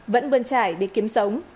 vẫn bơn trải để kiếm sống